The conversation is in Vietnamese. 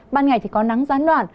ban ngày có nắng gián đoạn